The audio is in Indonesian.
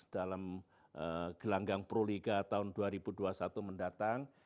dalam gelanggang proliga tahun dua ribu dua puluh satu mendatang